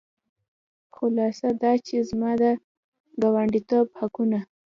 خلاصه دا چې زما د ګاونډیتوب حقونه.